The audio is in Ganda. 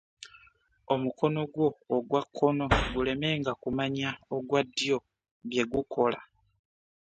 Omukono gwo ogwa kkono gulemenga okumanya ogwa ddyo bye gukola.